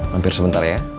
hampir sebentar ya